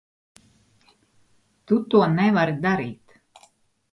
Tu to nevari darīt.